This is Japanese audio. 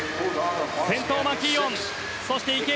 先頭マキーオンそして池江